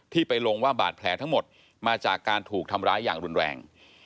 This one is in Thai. ไปลงว่าบาดแผลทั้งหมดมาจากการถูกทำร้ายอย่างรุนแรง